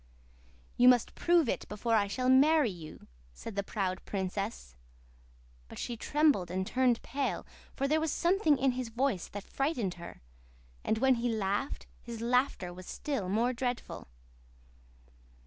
"'You must prove it before I shall marry you,' said the proud princess. But she trembled and turned pale, for there was something in his voice that frightened her. And when he laughed, his laughter was still more dreadful.